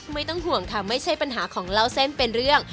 ไม่ต้องห่วงค่ะไม่ใช่ปัญหาของเล่าเส้นเป็นเรื่อง